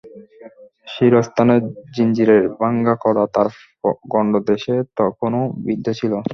শিরস্ত্রাণের জিঞ্জিরের ভাঙ্গা কড়া তার গণ্ডদেশে তখনো বিদ্ধ ছিল।